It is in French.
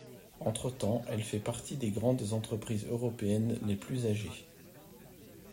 Entre-temps, elle fait partie des grandes entreprises européennes les plus âgées.